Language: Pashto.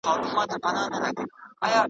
که جوار غنم سي بند اووه کلونه .